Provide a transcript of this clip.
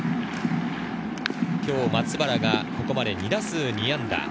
今日、松原がここまで２打数２安打。